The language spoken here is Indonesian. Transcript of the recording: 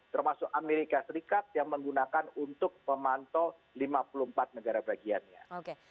termasuk amerika serikat yang menggunakan untuk memantau lima puluh empat negara bagiannya